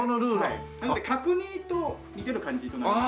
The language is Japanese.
なので角煮と似てる感じとなります。